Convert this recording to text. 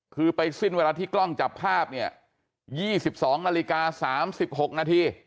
คือไปสิ้นเวลาที่กล้องจับภาพเนี่ยยี่สิบสองนาฬิกาสามสิบหกนาที